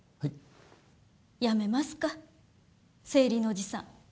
やめますか生理のおじさん。